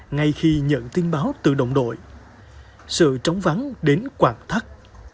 ngay khi nhận tin báo từ đồng đội sự trống vắng đến quạt thắt